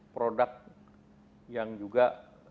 produk yang juga